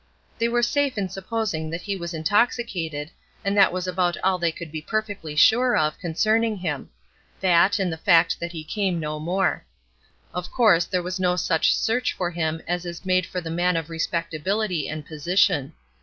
They were safe in supposing that he was intoxicated, and that was about all they could be perfectly sure of, concerning him; that, and the fact that he came no more. Of course, there was no such search for him as is made for the man of respectability and position.